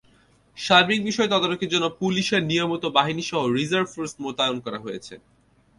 সার্বিক বিষয় তদারকির জন্য পুলিশের নিয়মিত বাহিনীসহ রিজার্ভ ফোর্স মোতায়েন করা হয়েছে।